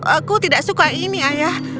aku tidak suka ini ayah